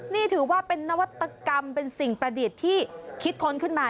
นี่ถือว่าเป็นนวัตกรรมเป็นสิ่งประดิษฐ์ที่คิดค้นขึ้นมา